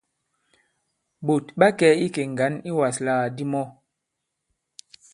Ɓòt ɓa kɛ̀ ikè ŋgǎn iwàslàgàdi mɔ.